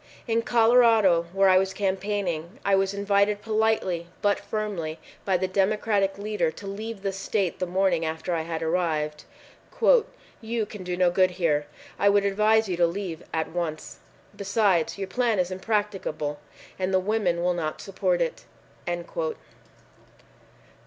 In Colorado, where I was cam paigning, I was invited politely but firmly by the Democratic leader to leave the state the morning after I had arrived. "You can do no good here. I would advise you to leave at once. Besides, your plan is impracticable and the women will not support it."